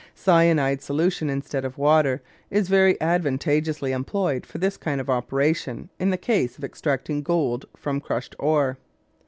Cyanide solution, instead of water, is very advantageously employed for this kind of operation in the case of extracting gold from crushed ore.